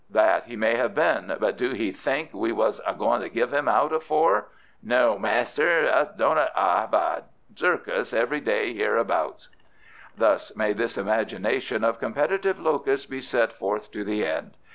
That he may have been, but do he think we was a going to give he out afore? No, maaster, us doant a have a circus every day hereabouts." Thus may this imagination of competitive locusts be set forth to the end.